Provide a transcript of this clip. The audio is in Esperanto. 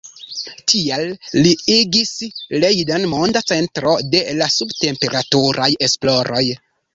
Tiel li igis Leiden monda centro de la sub-temperaturaj esploroj.